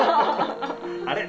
「あれ？」